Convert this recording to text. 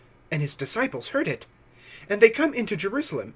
And his disciples heard it. (15)And they come into Jerusalem.